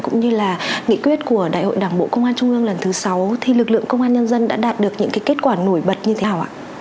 cũng như là nghị quyết của đại hội đảng bộ công an trung ương lần thứ sáu thì lực lượng công an nhân dân đã đạt được những kết quả nổi bật như thế nào ạ